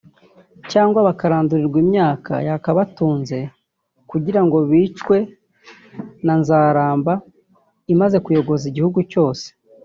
cyangwa bakarandurirwa imyaka yakabatunze kugira ngo bicwe na ‘nzaramba’ imaze kuyogoza igihugu cyose